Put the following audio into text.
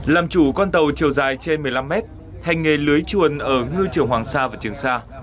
làm chủ con tàu chiều dài trên một mươi năm mét hành nghề lưới chuồn ở ngư trường hoàng sa và trường sa